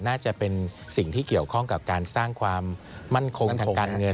น่าจะเป็นสิ่งที่เกี่ยวข้องกับการสร้างความมั่นคงทางการเงิน